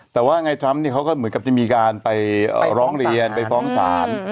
แต่ว่าไงทรัมป์เขาก็เหมือนกับจะมีการไปร้องเรียนไปฟ้องศาล